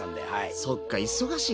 そっか忙しい。